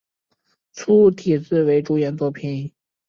粗体字为主演作品